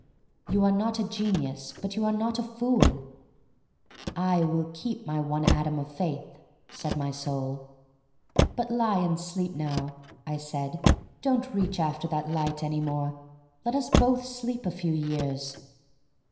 You are not a genius, but you are not a fool." "I will keep my one atom of faith," said my soul. "But lie and sleep now," I said. "Don't reach after that Light any more. Let us both sleep a few years."